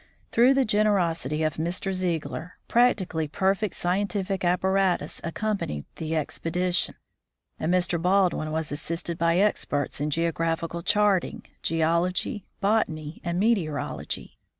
Through the generosity of Mr. Ziegler, practically per fect scientific apparatus accompanied the expedition, and Mr. Baldwin was assisted by experts in geographical chart ing, geology, botany, and meteorology.